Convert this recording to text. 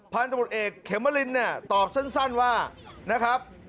พันธรรมดเอกเขมรินตอบสั้นว่านะครับ